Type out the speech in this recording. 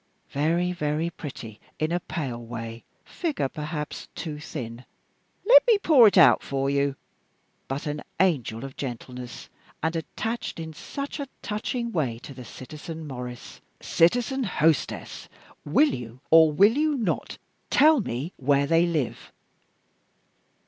Very, very pretty in a pale way; figure perhaps too thin let me pour it out for you but an angel of gentleness, and attached in such a touching way to the citizen Maurice " "Citizen hostess, will you, or will you not, tell me where they live?"